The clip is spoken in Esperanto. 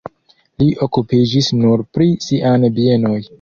Li okupiĝis nur pri sian bienoj.